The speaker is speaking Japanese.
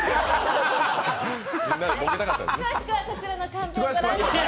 詳しくはこちらのカンペをご覧ください。